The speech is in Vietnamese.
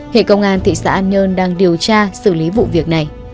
hệ công an thị xã an nhơn đang điều tra xử lý vụ việc này